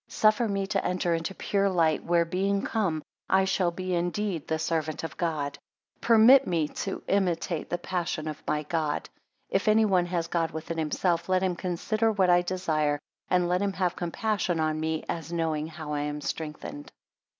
Suffer me to enter into pure light, where being come, I shall be indeed the servant of God. 16 Permit me to imitate the passion of my God. If any one has God within himself, let him consider what I desire; and let him have compassion on me, as knowing how I am straightened.